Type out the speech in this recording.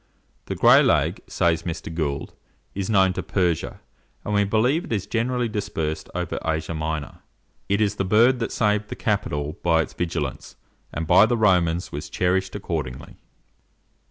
"The Gray lag," says Mr. Gould, "is known to Persia, and we believe it is generally dispersed over Asia Minor." It is the bird that saved the Capitol by its vigilance, and by the Romans was cherished accordingly.